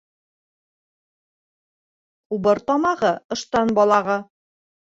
Убыр тамағы ыштан балағы.